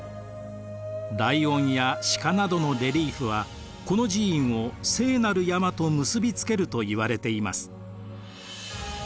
ライオンや鹿などのレリーフはこの寺院を聖なる山と結び付けるといわれています。